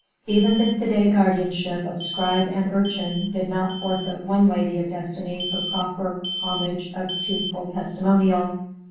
Even the sedate guardianship of Scribe and Urchin did not forfeit one Lady of Destiny her proper homage of tuneful testimonial.